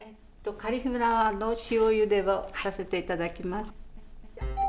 カリフラワーの塩ゆでをさせていただきます。